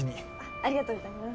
ありがとうございます。